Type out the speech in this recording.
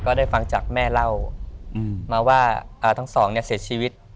ได้ฟังจากแม่เล่ามาว่าทั้งสองเนี่ยเสียชีวิต